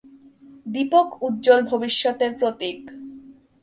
দীপক উজ্জ্বল ভবিষ্যতের প্রতীক।